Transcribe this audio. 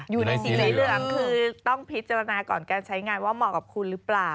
อยู่ในสีเหลืองคือต้องพิจารณาก่อนการใช้งานว่าเหมาะกับคุณหรือเปล่า